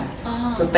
té nước cho nhau